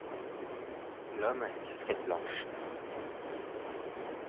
L’homme a une casquette blanche.